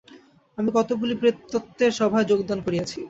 আমি কতকগুলি প্রেততত্ত্বের সভায় যোগদান করিয়াছি।